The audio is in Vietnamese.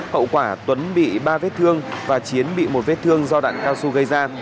hậu quả tuấn bị ba vết thương và chiến bị một vết thương do đạn cao su gây ra